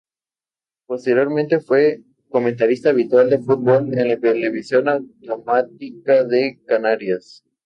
Posteriormente fue comentarista habitual de fútbol en la televisión autonómica de Canarias.